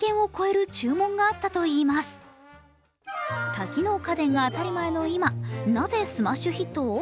多機能家電が当たり前の今なぜスマッシュヒットを？